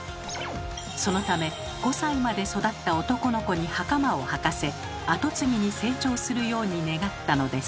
そのため５歳まで育った男の子にはかまをはかせ跡継ぎに成長するように願ったのです。